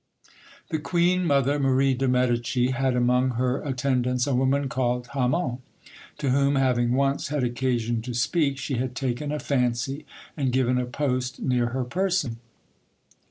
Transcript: The Queen mother, Marie de Medici, had among her attendants a woman called Hammon, to whom, having once had occasion to speak, she had taken a fancy, and given a post near her person.